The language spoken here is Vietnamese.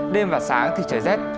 đêm và sáng thì trời rét